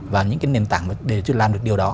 và những nền tảng để làm được điều đó